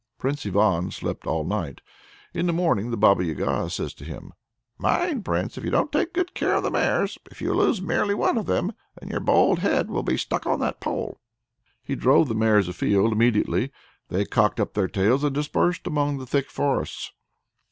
Prince Ivan slept all night. In the morning the Baba Yaga says to him: "Mind, Prince! if you don't take good care of the mares, if you lose merely one of them your bold head will be stuck on that pole!" He drove the mares afield. Immediately they cocked up their tails and dispersed among the thick forests.